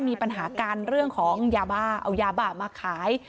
มีปัญหากันเรื่องของยาบ้าเอายาบ้ามาขาย